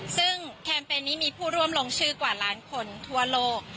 ซึ่งแคมเปญนี้มีผู้ร่วมลงชื่อกว่าล้านคนทั่วโลก